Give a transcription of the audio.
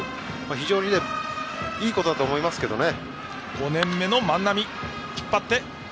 非常にいいことだと思いますね。